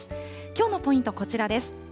きょうのポイント、こちらです。